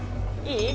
いい？